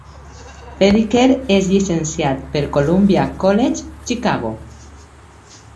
Zediker és llicenciat pel Columbia College Chicago.